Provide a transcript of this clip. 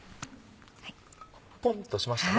ポンっとしましたね。